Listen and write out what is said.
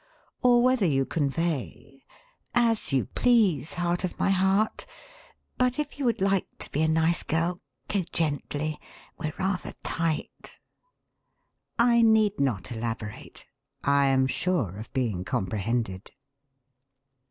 Or whether you convey: 'As you please, heart of my heart, but if you would like to be a nice girl, go gently. We're rather tight.' I need not elaborate. I am sure of being comprehended.